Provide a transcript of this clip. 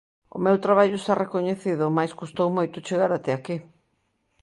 O meu traballo está recoñecido mais custou moito chegar até aquí.